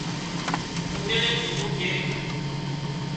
اونۮيڙي ڪيڌو ڪي